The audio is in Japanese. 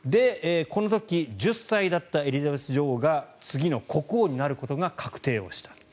この時１０歳だったエリザベス女王が次の国王になることが確定した。